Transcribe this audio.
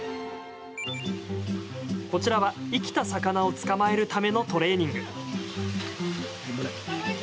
こちらは、生きた魚を捕まえるためのトレーニング。